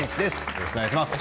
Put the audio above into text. よろしくお願いします。